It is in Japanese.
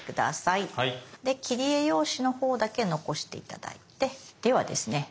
で切り絵用紙のほうだけ残して頂いてではですね